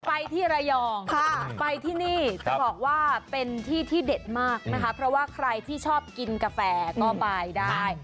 ไปที่ระยองไปที่นี่จะบอกว่าเป็นที่ที่เด็ดมากนะคะเพราะว่าใครที่ชอบกินกาแฟก็ไปได้